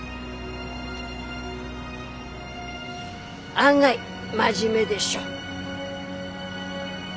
案外真面目でしょ？